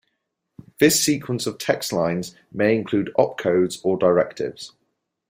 This sequence of text lines may include opcodes or directives.